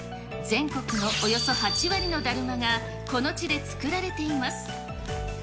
全国のおよそ８割のだるまがこの地で作られています。